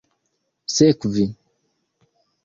sekvi